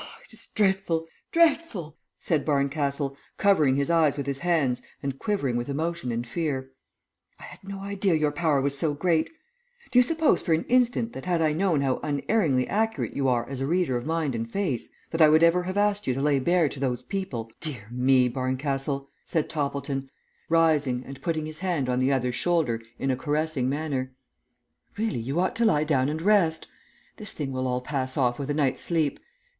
"It is dreadful! dreadful!" said Barncastle, covering his eyes with his hands and quivering with emotion and fear. "I had no idea your power was so great. Do you suppose for an instant that had I known how unerringly accurate you are as a reader of mind and face, that I would ever have asked you to lay bare to those people " "Dear me, Barncastle," said Toppleton, rising and putting his hand on the other's shoulder in a caressing manner, "really you ought to lie down and rest. This thing will all pass off with a night's sleep.